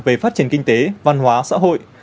về phát triển kinh tế văn hóa xã hội